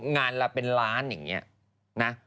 งานละเป็นล้านอย่างนี้นะ